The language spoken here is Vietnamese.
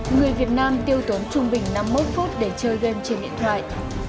người việt nam tiêu tốn trung bình năm mươi một phút để chơi game trên điện thoại